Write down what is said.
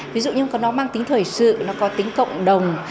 ví dụ như có nó mang tính thời sự nó có tính cộng đồng